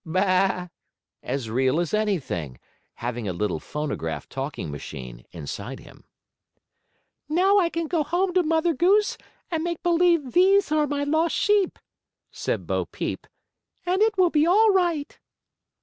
Baa!" as real as anything, having a little phonograph talking machine inside him. "Now I can go home to Mother Goose and make believe these are my lost sheep," said Bo Peep, "and it will be all right."